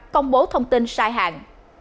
công bố thông tin sai hạn